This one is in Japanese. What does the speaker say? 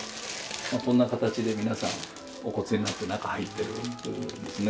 こんな形で皆さんお骨になって中入ってるんですね。